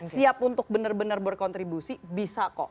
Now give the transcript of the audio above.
siap untuk benar benar berkontribusi bisa kok